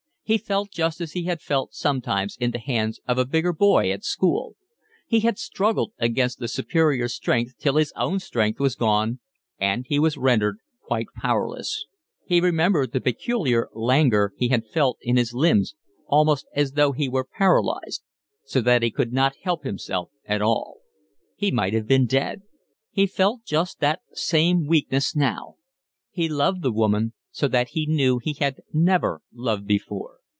He felt just as he had felt sometimes in the hands of a bigger boy at school. He had struggled against the superior strength till his own strength was gone, and he was rendered quite powerless—he remembered the peculiar languor he had felt in his limbs, almost as though he were paralysed—so that he could not help himself at all. He might have been dead. He felt just that same weakness now. He loved the woman so that he knew he had never loved before.